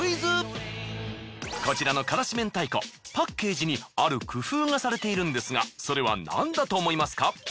こちらの辛子めんたいこパッケージにある工夫がされているんですがそれはなんだと思いますか？